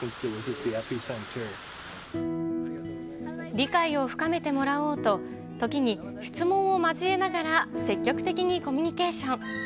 理解を深めてもらおうと、時に、質問を交えながら積極的にコミュニケーション。